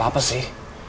eh gapapa sih